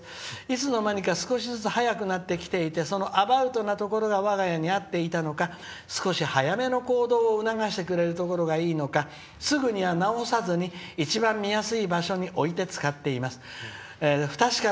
いつの間にか早くなってきていてそのアバウトなところが我が家に合っていたのか少し早めの行動を促してくれるところがいいのかすぐに直さずに一番見やすいところに置いて使っています。